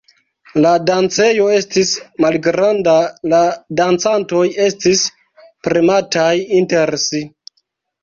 La dancejo estis malgranda, la dancantoj estis premataj inter si.